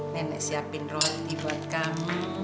nenek siapin roti buat kami